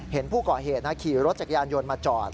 เห็นผู้ก่อเหตุขี่รถจักรยานยนต์มาจอด